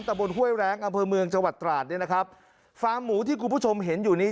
บนห้วยแรงอำเภอเมืองจังหวัดตราดเนี่ยนะครับฟาร์มหมูที่คุณผู้ชมเห็นอยู่นี้